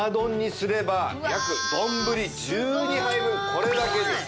これだけです。